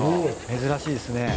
珍しいですね。